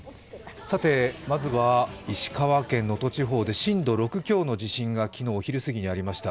まずは石川県能登地方で震度６強の地震が昨日お昼すぎにありました。